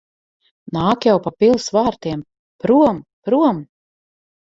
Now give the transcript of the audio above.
Nāk jau pa pils vārtiem. Prom! Prom!